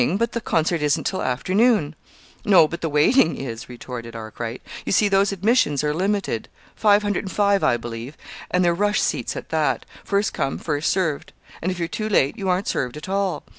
But the concert isn't till afternoon!" "No, but the waiting is," retorted Arkwright. "You see, those admissions are limited five hundred and five, I believe and they're rush seats, at that. First come, first served; and if you're too late you aren't served at all.